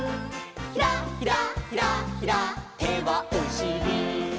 「ひらひらひらひら」「手はおしり！」